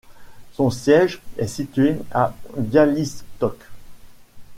Son siège est situé à Białystok.